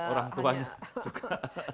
orang tuanya juga